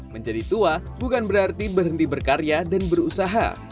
menjadi tua bukan berarti berhenti berkarya dan berusaha